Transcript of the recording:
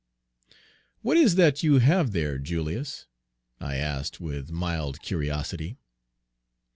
"What is that you have there, Julius?" I asked, with mild curiosity.